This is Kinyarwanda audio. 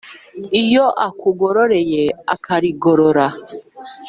Iyo akugororeye akarigorora